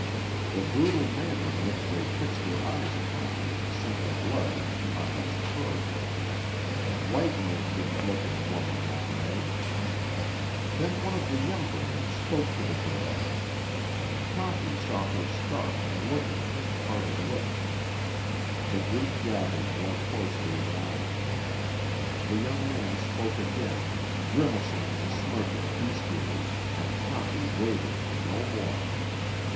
The brutal manner in which they fixed their eyes upon her sent the blood into Toppy's throat. White men didn't look at a woman that way. Then one of the younger men spoke to the girl. Toppy saw her start and look at him with parted lips. The group gathered more closely around. The young man spoke again, grimacing and smirking bestially, and Toppy waited for no more.